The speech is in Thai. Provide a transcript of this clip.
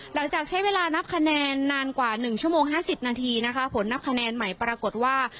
หลังจากใช้เวลานับคะแนนนานกว่า๑ชั่วโมง๕๐นาทีนะคะผลนับคะแนนใหม่ปรากฏว่า